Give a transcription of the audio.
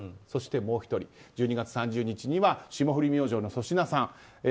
そして、もう１人１２月３０日には霜降り明星の粗品さん。